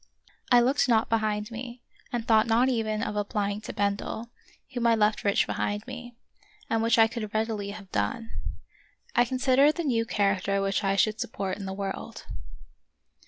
I looked not behind me, and thought not even of applying to Bendel, whom I left rich behind me, and which I could readily have done. I considered the new charac ter which I should support in the world.